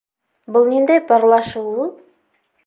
Был ниндәй парлашыу ул?